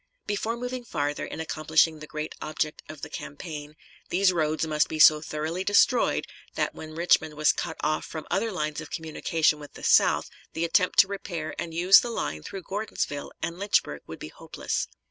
Before moving farther in accomplishing the great object of the campaign, these roads must be so thoroughly destroyed that when Richmond was cut off from other lines of communication with the south the attempt to repair and use the line through Gordonsville and Lynchburg would be hopeless.